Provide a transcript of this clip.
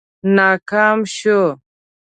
ناکام شو.